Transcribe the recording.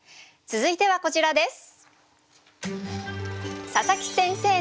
続いてはこちらです。